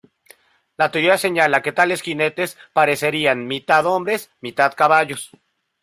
La teoría señala que tales jinetes parecerían mitad hombres mitad caballos.